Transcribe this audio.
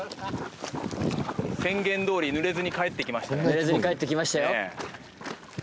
濡れずに帰ってきましたよ